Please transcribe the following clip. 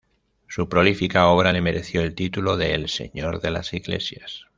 Su prolífica obra le mereció el título de "El señor de las iglesias".